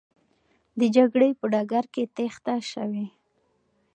د جګړې په ډګر کې تېښته سوې.